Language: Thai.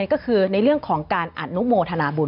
ก็คือในเรื่องของการอนุโมทนาบุญ